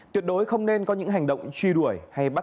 tuyệt đối không nên có những hành động truy đuổi hay bắt